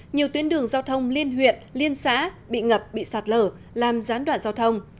nhiều tuyến đường giao thông liên huyện liên xã bị ngập bị sạt lở làm gián đoạn giao thông